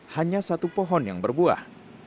hanya satu pohon yang berbuah